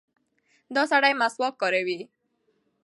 دا سړی مسواک کاروي.